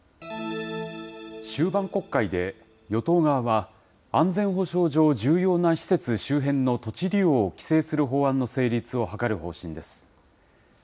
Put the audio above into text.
終盤国会で、与党側は、安全保障上重要な施設周辺の土地利用を規制する法案の成立を図る方針です。